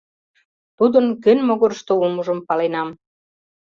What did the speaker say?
Тудын кӧн могырышто улмыжым паленам.